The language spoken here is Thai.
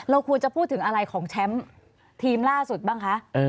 ควรจะพูดถึงอะไรของแชมป์ทีมล่าสุดบ้างคะ